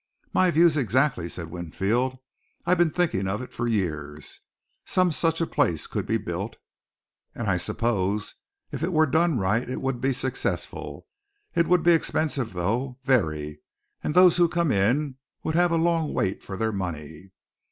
"My views exactly," said Winfield. "I've been thinking of it for years. Some such place could be built, and I suppose if it were done right it would be successful. It would be expensive, though, very, and those who come in would have a long wait for their money."